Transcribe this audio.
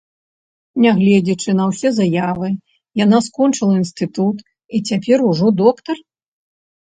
Нягледзячы на ўсе заявы, яна скончыла інстытут і цяпер ужо доктар?